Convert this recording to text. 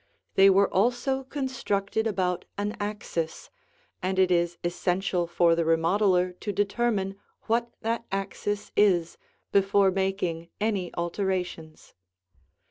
They were also constructed about an axis, and it is essential for the remodeler to determine what that axis is before making any alterations.